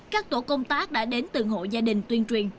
các tổ công tác đã đến từng hộ gia đình tuyên truyền